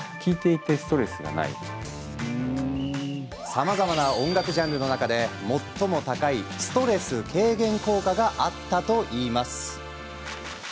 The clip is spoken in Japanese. さまざまな音楽ジャンルの中で最も高いストレス軽減効果があったといいます。